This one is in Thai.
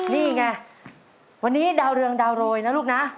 นี่ไงวันนี้ดาวเรืองดาวโรยนะลูกนะ